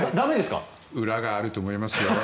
裏があると思いますよ。